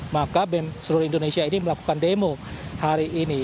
maka bem seluruh indonesia ini melakukan demo hari ini